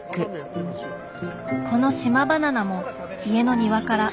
この島バナナも家の庭から。